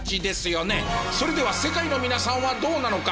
それでは世界の皆さんはどうなのか？